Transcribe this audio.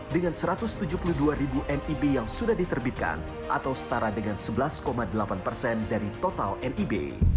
dengan satu ratus tujuh puluh dua ribu nib yang sudah diterbitkan atau setara dengan sebelas delapan persen dari total nib